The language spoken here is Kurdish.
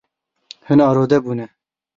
Hûn arode bûne.